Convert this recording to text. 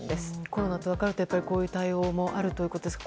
コロナと分かるとこういう対応もあるということですね。